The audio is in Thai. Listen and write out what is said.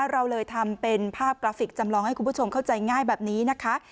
เราเลยทำเป็นภาพกราฟิกจำลองให้คุณผู้ชมเข้าใจง่ายแบบนี้นะคะ